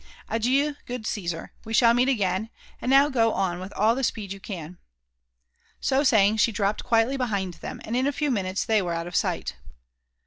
Adieu, good Caesar ! We shall meet again ; and now go on with all the speed you can." So saying, she dropped quietly behind Ihem, and in a few minutes they were out of sight.